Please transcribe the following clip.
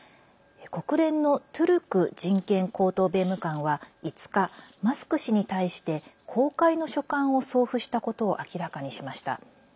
国連のトゥルク人権高等弁務官は５日、マスク氏に対して公開の書簡を送付したことを明らかにしました。